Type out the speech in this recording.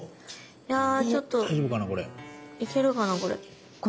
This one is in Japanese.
いやちょっと行けるかなこれ。